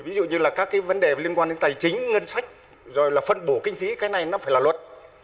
ví dụ như là các cái vấn đề liên quan đến tài chính ngân sách rồi là phân bổ kinh phí cái này nó phải là luật